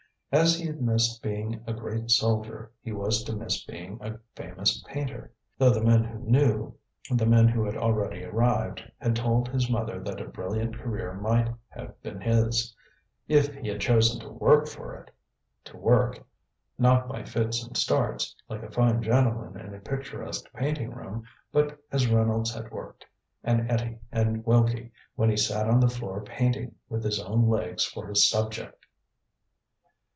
As he had missed being a great soldier, he was to miss being a famous painter, though the men who knew, the men who had already arrived, had told his mother that a brilliant career might have been his, if he had chosen to work for it; to work, not by fits and starts, like a fine gentleman in a picturesque painting room, but as Reynolds had worked, and Etty, and Wilkie, when he sat on the floor painting, with his own legs for his subject.